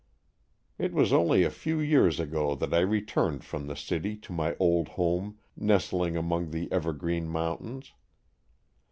It was only a few years ago that I re turned from the city to my old home nestling among the evergreen mountains.